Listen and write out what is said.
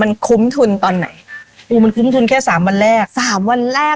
มันคุ้มทุนตอนไหนโอ้มันคุ้มทุนแค่สามวันแรกสามวันแรก